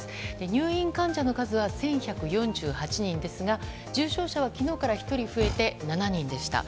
入院患者の数は１１４８人ですが重症者は昨日から１人増えて７人でした。